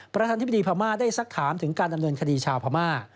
ประธานธิบดีพม่าได้สักถามถึงการดำเนินคดีชาวพม่า